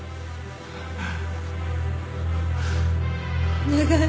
お願い。